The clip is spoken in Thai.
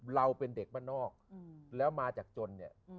เราเป็นเด็กบ้านนอกแล้วมาจากจนเนี่ย